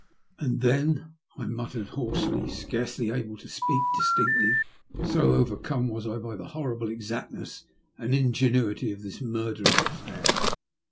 "And then?" I muttered hoarsely, scarcely able to speak distinctly, so overcome was I by the horrible exactness and ingenuity of this murderous affau*.